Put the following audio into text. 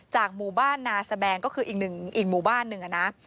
จากหมู่บ้านนาสแบงก็คืออีกหมู่บ้านหนึ่งนะ